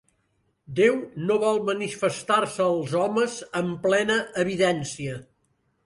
Déu no vol manifestar-se als homes amb plena evidència.